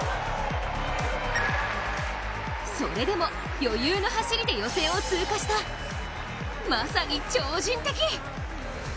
それでも余裕の走りで予選を通過した、まさに超人的！